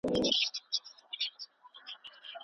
د مطالعې کلتور د علم او ادب د ترویج لپاره مهم دی.